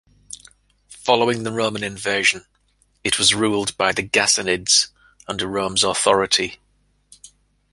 Following the Roman invasion, it was ruled by the Ghassanids, under Rome's authority.